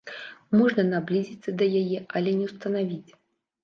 Можна наблізіцца да яе, але не ўстанавіць.